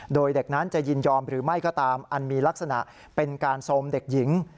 โดยเด็กนั้นจะยินยอมหรือไม่ก็ตามอันมีลักษณะเป็นการโทรมเด็กหญิง